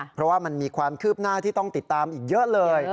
เพราะว่ามันมีความคืบหน้าที่ต้องติดตามอีกเยอะเลย